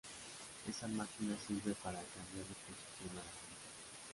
Esa máquina sirve para cambiar de posición a la gente.